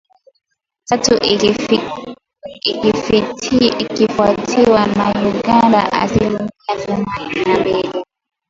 tatu ikifuatiwa na Uganda asilimia themanini na mbili